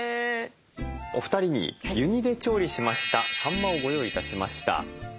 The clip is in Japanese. お二人に湯煮で調理しましたさんまをご用意致しました。